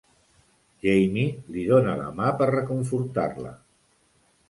Jamie li dóna la ma per reconfortar-la.